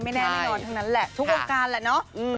แน่นอนทั้งนั้นแหละทุกวงการแหละเนาะ